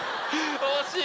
惜しい！